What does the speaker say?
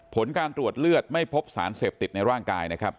ผลการตรวจเลือดไม่พบสารเสพติดในร่างกายนะครับ